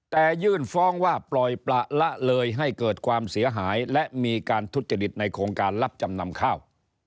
แต่ยื่นฟ้องว่าปล่อยประละเลยให้เกิดความเสียหายและมีการทุจริตในโครงการรับจำนำข้าว